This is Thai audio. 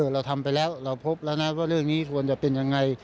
เราทำไปแล้วเราพบแล้วนะว่าเรื่องนี้ควรจะเป็นยังไง